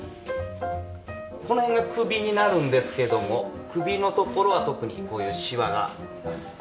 この辺が首になるんですけども首のところは特にこういうシワが。